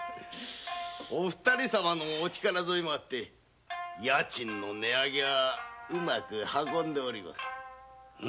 お二人様のお力添えもあって家賃の値上げはうまく運んでおります。